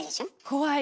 怖い。